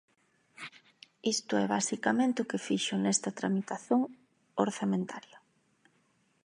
Isto é basicamente o que fixo nesta tramitación orzamentaria.